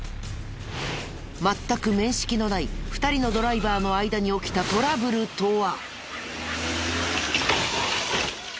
全く面識のない２人のドライバーの間に起きたトラブルとは？